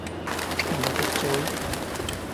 men jeg kan ikke tåle det!